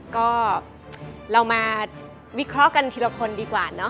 ก็เรามาวิเคราะห์กันทีละคนดีกว่าเนาะ